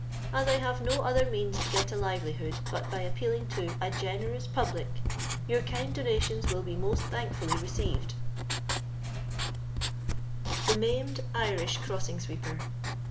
AS I HATE NO OTHER MEANS TO GST ALIVELT HOOD BUT BT APPSAUNO TO A GENEROUS PUBLIC TOUB KIND DONATIONBWILL BE HOST THANKFULLY The Maimed Irish Crossing Sweeper.